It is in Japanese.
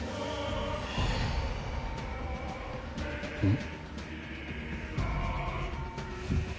うん？